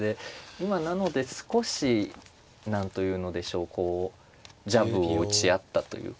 今なので少し何というのでしょうこうジャブを打ち合ったというか。